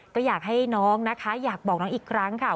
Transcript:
ก็อยากให้น้องนะคะอยากบอกน้องอีกครั้งค่ะ